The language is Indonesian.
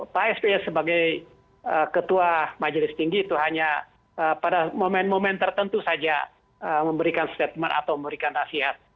pak sby sebagai ketua majelis tinggi itu hanya pada momen momen tertentu saja memberikan statement atau memberikan nasihat